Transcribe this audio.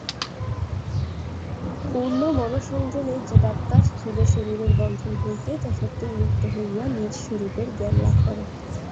পূর্ণ মনঃসংযমে জীবাত্মা স্থূল শরীরের বন্ধন হইতে যথার্থই মুক্ত হইয়া নিজ স্বরূপের জ্ঞানলাভ করে।